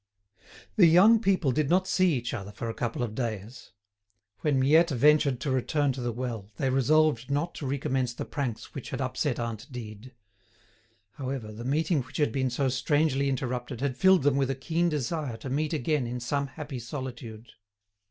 The young people did not see each other for a couple of days. When Miette ventured to return to the well, they resolved not to recommence the pranks which had upset aunt Dide. However, the meeting which had been so strangely interrupted had filled them with a keen desire to meet again in some happy solitude.